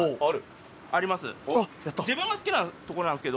自分が好きなとこなんですけど。